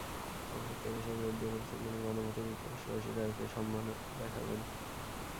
অবশ্য টেরেসা জোর দিয়ে বলেছেন, তিনি গণভোটে যুক্তরাজ্যবাসীর রায়কে সম্মান দেখাবেন।